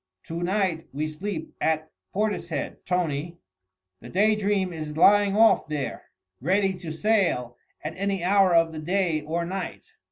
To night we sleep at Portishead, Tony. The Day Dream is lying off there, ready to sail at any hour of the day or night.